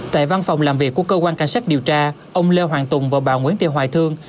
tại văn phòng làm việc của cơ quan cảnh sát điều tra ông lê hoàng tùng và bà nguyễn ti hoài thương